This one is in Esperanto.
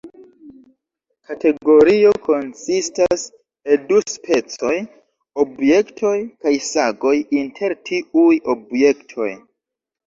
Kategorio konsistas el du specoj: "objektoj" kaj "sagoj" inter tiuj objektoj.